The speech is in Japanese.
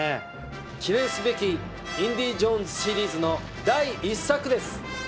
記念すべき『インディ・ジョーンズ』シリーズの第１作です。